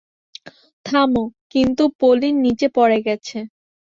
থামো, কিন্তু পলিন নিচে পড়ে গেছে।